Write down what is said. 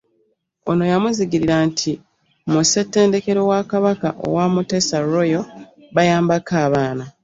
Ono yamuzigirira nti mu ssettendekero wa Kabaka owa Muteesa Royal bayambako abaana